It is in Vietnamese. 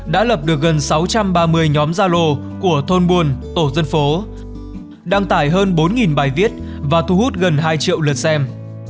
đã lập được gần sáu trăm ba mươi nhóm gia lô của thôn buôn tổ dân phố đăng tải hơn bốn bài viết và thu hút gần hai triệu lượt xem